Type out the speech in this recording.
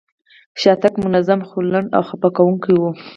شاتګ منظم، خو لوند او خپه کوونکی و.